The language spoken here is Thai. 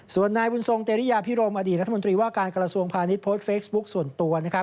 ส่วนนายบุญทรงเตรียพิรมอดีตรัฐมนตรีว่าการกระทรวงพาณิชย์โพสต์เฟซบุ๊คส่วนตัว